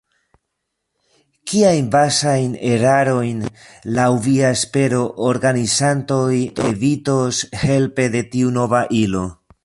Kiajn bazajn erarojn, laŭ via espero, organizantoj evitos helpe de tiu nova ilo?